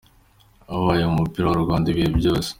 Ababaye mu mupira w’ u Rwanda b’ibihe byose.